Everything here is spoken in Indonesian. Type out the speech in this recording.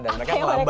dan mereka ngelambai